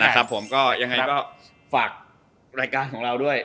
อย่างไรก็ฝากรายการของเราด้วย